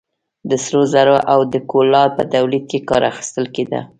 د سرو زرو او د کولا په تولید کې کار اخیستل کېده.